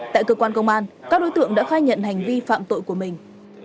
tại cơ quan công an các đối tượng đã khai nhận hành vi phạm tội của mình